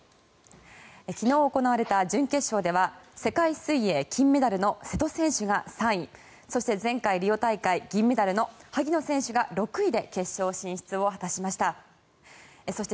昨日行われた準決勝では世界水泳金メダルの瀬戸選手が３位そして、前回リオ大会銀メダルの萩野選手が決勝進出を果たしました。